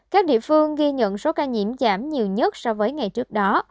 các địa phương ghi nhận số ca nhiễm giảm nhiều nhất so với ngày trước đó